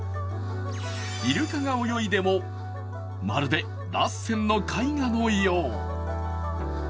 イルカが泳いでもまるでラッセンの絵画のよう。